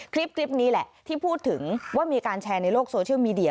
คลิปนี้แหละที่พูดถึงว่ามีการแชร์ในโลกโซเชียลมีเดีย